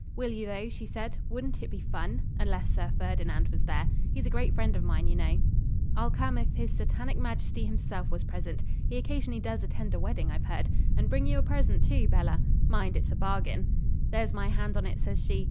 'Will you, though?' she said. 'Wouldn't it be fun? Unless Sir Ferdinand was there. He's a great friend of mine, you know.' 'I'll come if his Satanic Majesty himself was present (he occasionally does attend a wedding, I've heard), and bring you a present, too, Bella; mind, it's a bargain.' 'There's my hand on it,' says she.